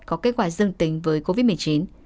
có kết quả dương tính với covid một mươi chín